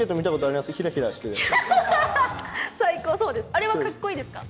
あれはカッコいいですか？